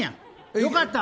よかったな！